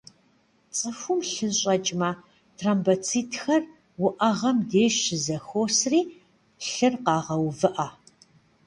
Цӏыхум лъы щӏэкӏмэ, тромбоцитхэр уӏэгъэм деж щызэхуосри, лъыр къагъэувыӏэ.